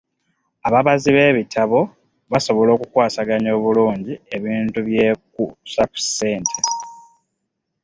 Ababazi b'ebitabo basobola okukwasaganya obulungi ebintu ebyekuusa ku ssente.